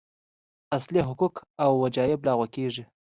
اصلي حقوق او وجایب لغوه کېږي.